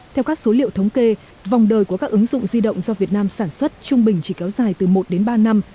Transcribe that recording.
theo các số liệu thống kê vòng đời của các ứng dụng di động do việt nam sản xuất trung bình chỉ kéo dài từ một đến ba năm